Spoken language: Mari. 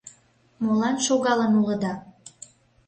— Молан шогалын улыда?